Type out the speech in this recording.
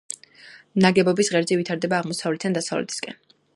ნაგებობის ღერძი ვითარდება აღმოსავლეთიდან დასავლეთისკენ.